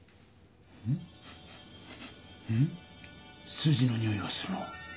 数字のにおいがするな。